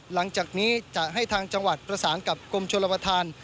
หลังจากนี้จะให้ทางจังหวัดประสานกับกรมชนประธาน